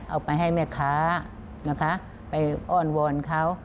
เอาไปให้หน้าข้าไปอ้อนวอนเขา